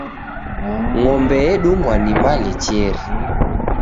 Ng'ombe edungwa ni malecheri.